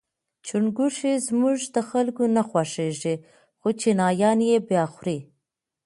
چونګښي زموږ د خلکو نه خوښیږي خو چینایان یې با خوري.